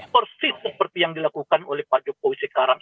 persis seperti yang dilakukan oleh pak jokowi sekarang